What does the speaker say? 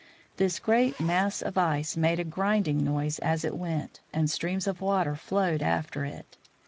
This great mass of ice made a grinding noise as it went, and streams of water flowed after it.